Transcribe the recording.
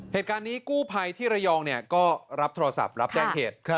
เหตุการณ์นี้กู้ภัยที่ระยองก็รับโทรศัพท์รับแจ้งเหตุ